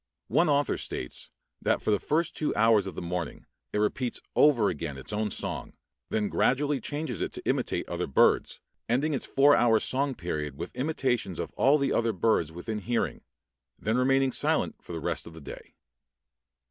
One author states that for the first two hours of the morning it repeats over again its own song, then gradually changes it to imitate other birds, ending its four hour song period with imitations of all the other birds within hearing, then remaining silent for the rest of the day.